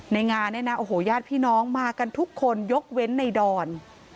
งานเนี่ยนะโอ้โหญาติพี่น้องมากันทุกคนยกเว้นในดอน